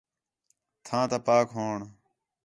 تھاں تا پاک ہووݨ